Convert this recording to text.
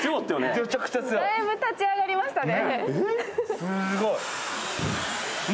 全部立ち上がりましたね。